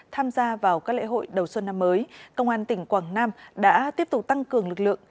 tham gia vào các lễ hội đầu xuân năm mới công an tỉnh quảng nam đã tiếp tục tăng cường lực lượng